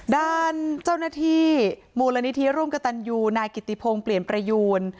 ดานเจ้าหน้าที่หมู่ระนิษฐีร่วมกับตัญญู์นายกิติพงเปลี่ยนเปลยูน